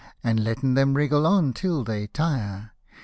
And letting them wriggle on there till they tire